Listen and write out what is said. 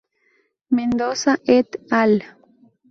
Mendoza "et al".